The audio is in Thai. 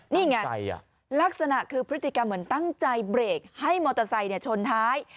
นี่ไงลักษณะคือพฤติกรรมเหมือนตั้งใจเบรกให้มอเตอร์ไซค์ชนท้าย